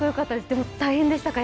でも、大変でしたか？